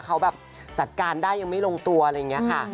เขาแบบจัดการได้ยังไม่ลงตัวอะไรอย่างนี้ค่ะ